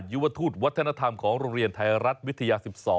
ยุวทูตวัฒนธรรมของโรงเรียนไทยรัฐวิทยา๑๒